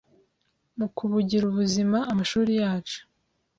mukubugira buzima, amashuri yacu